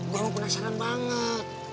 gue emang penasaran banget